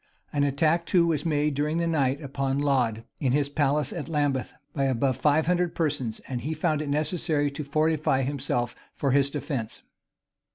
[] An attack too was made during the night upon Laud, in his palace of Lambeth, by above five hundred persons; and he found it necessary to fortify himself for his defence.